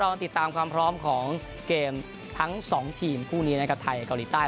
ติดตามความพร้อมของเกมทั้งสองทีมคู่นี้นะครับไทยเกาหลีใต้